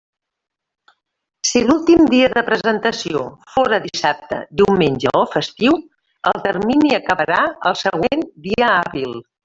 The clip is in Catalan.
Si l'últim dia de presentació fóra dissabte, diumenge o festiu, el termini acabarà el següent dia hàbil.